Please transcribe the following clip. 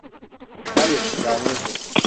Hayır, yalnızım.